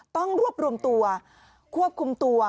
ต้องรวบรวมตัวควบคุมตัว